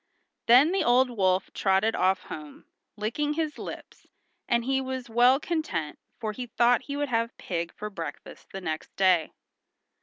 Then the old wolf trotted off home, licking his lips, and he was well content, for he thought he would have pig for breakfast the next day.